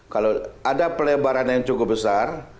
kalau ada pelebaran yang cukup besar